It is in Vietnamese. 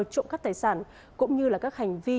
trộm cắp tài sản cũng như là các hành vi